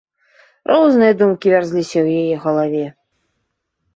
Розныя думкі вярзліся ў яе галаве.